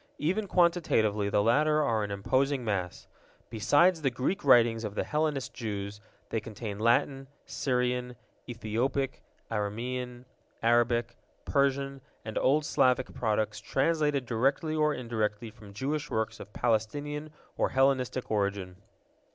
Even quantitatively the latter are an imposing mass. Besides the Greek writings of the Hellenist Jews, they contain Latin, Syrian, Ethiopic, Aramean, Arabic, Persian, and Old Slavic products translated directly or indirectly from Jewish works of Palestinian or Hellenistic origin.